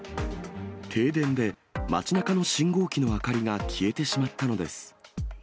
停電で街なかの信号機の明かりが消えてしまったのです。